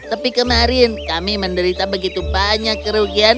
tapi kemarin kami menderita begitu banyak kerugian